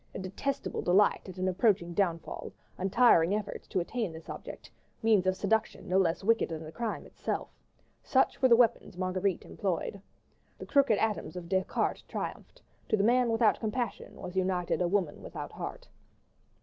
A detestable delight at an approaching downfall, untiring efforts to attain this object, means of seduction no less wicked than the crime itself such were the weapons Marguerite employed. The crooked atoms of Descartes triumphed; to the man without compassion was united a woman without heart.